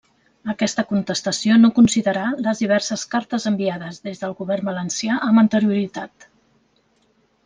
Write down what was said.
Aquesta contestació no considerà les diverses cartes enviades des del govern valencià amb anterioritat.